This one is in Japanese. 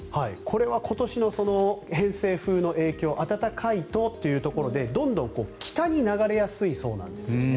これは今年の偏西風の影響暖かいというところでどんどん北に流れやすいそうなんです。